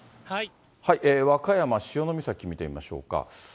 和歌山・潮岬を見てみましょうか。